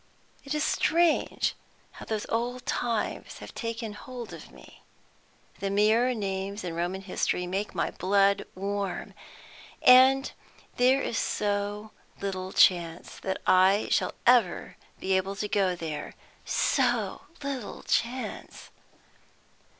It is strange how those old times have taken hold upon me. The mere names in Roman history make my blood warm. And there is so little chance that I shall ever be able to go there; so little chance."